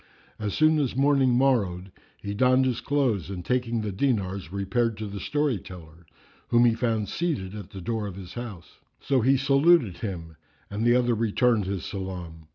As soon as morning morrowed, he donned his clothes and taking the dinars, repaired to the story teller, whom he found seated at the door of his house. So he saluted him and the other returned his salam.